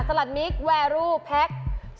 ลัดมิกแวรูแพ็ค